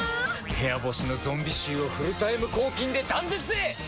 部屋干しのゾンビ臭をフルタイム抗菌で断絶へ！